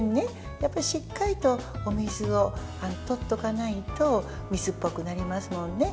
やっぱり、しっかりとお水をとっておかないと水っぽくなりますもんね。